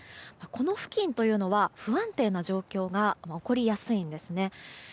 この付近というのは不安定な状況が起こりやすいんですね。